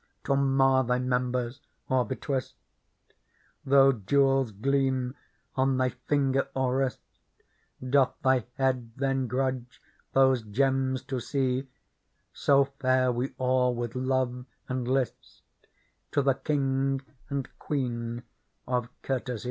To mar thy members or be twist; Though jewels gleam on thy Finger or Wrist, Doth thy Head then grudge those gems to see f So fare we all with love and list To the King and Queen of Courtesy."